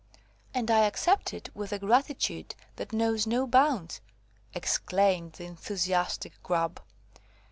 "And I accept it with a gratitude that knows no bounds," exclaimed the enthusiastic Grub.